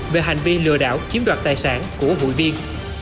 về hành vi lừa đảo chiếm đoạt tài sản của hụi viên